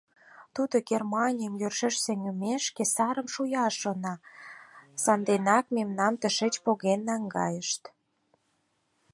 Тудо Германийым йӧршеш сеҥымешке сарым шуяш шона, санденак мемнам тышеч поген наҥгайышт.